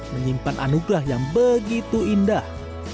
menyimpan anugerah yang begitu indah